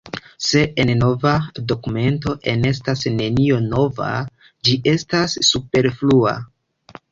Se en nova dokumento enestas nenio nova, ĝi estas superflua.